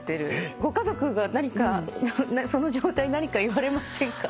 ご家族が何かその状態に何か言われませんか？